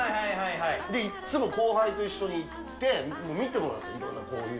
いっつも後輩と一緒に行って、見てもらうんですよ、いろんなこういう。